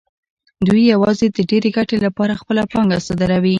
دوی یوازې د ډېرې ګټې لپاره خپله پانګه صادروي